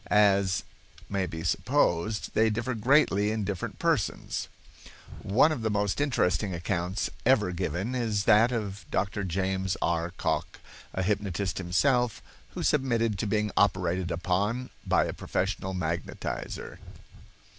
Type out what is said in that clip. As may be supposed, they differ greatly in different persons. One of the most interesting accounts ever given is that of Dr. James R. Cocke, a hypnotist himself, who submitted to being operated upon by a professional magnetizer.